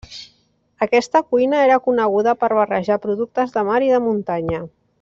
Aquesta cuina era coneguda per barrejar productes de mar i de muntanya.